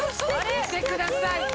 見てください。